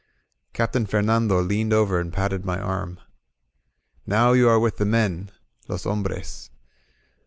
Captain Fernando leaned over and patted my arm. Now you are with the men {los hombres.)